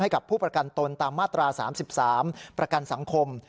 กับผู้ประกันตนตามมาตรา๓๓ประกันสังคม